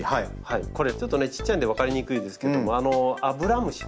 これちょっとねちっちゃいんで分かりにくいんですけどもアブラムシ。